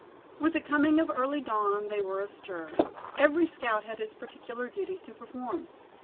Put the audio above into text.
With the coming of early dawn they were astir. Every scout had his particular duty to perform.